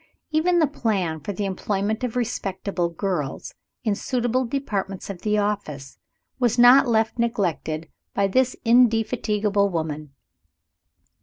Even the plan for the employment of respectable girls, in suitable departments of the office, was not left neglected by this indefatigable woman.